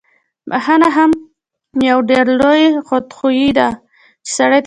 بخښنه هم یو ډول لویه خودخواهي ده، چې سړی ته عظمت ورکوي.